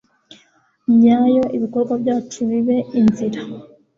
nyayo, ibikorwa byacu bibe inzira